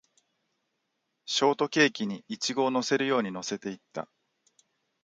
ショートケーキにイチゴを乗せるように乗せていった